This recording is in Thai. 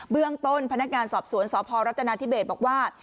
เรื่องต้นพนักงานสอบสวนสพรัฐนาธิเบศบอกว่า